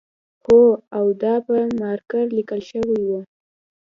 هو او دا په مارکر لیکل شوی و